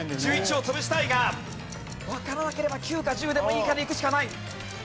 １１を潰したいがわからなければ９か１０でもいいからいくしかない！